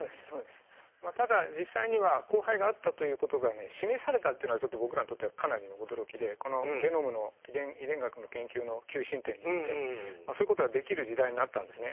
まあただ実際には交配があったということがね示されたっていうのはちょっと僕らにとってはかなりの驚きでこのゲノムの遺伝学の研究の急進展によってまあそういうことができる時代になったんですね。